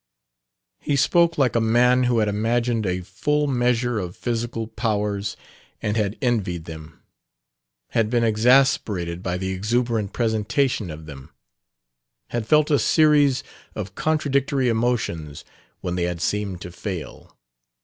He spoke like a man who had imagined a full measure of physical powers and had envied them ... had been exasperated by the exuberant presentation of them... had felt a series of contradictory emotions when they had seemed to fail....